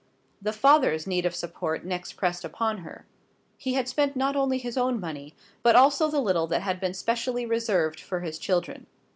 The father's need of support next pressed upon her. He had spent not only his own money, but also the little that had been specially reserved for his children.